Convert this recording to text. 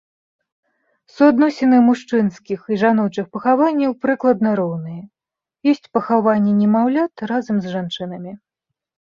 Суадносіны мужчынскіх і жаночых пахаванняў прыкладна роўныя, ёсць пахаванні немаўлят разам з жанчынамі.